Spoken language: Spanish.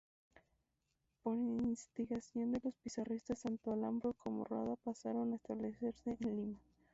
Por instigación de los pizarristas, tanto Almagro como Rada pasaron a establecerse en Lima.